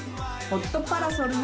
「ホットパラソル？」